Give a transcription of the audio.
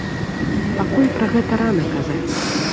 Пакуль пра гэта рана казаць.